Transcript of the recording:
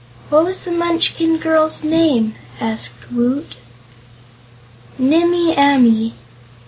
"What was the Munchkin girl's name?" asked Woot. "Nimmie Amee.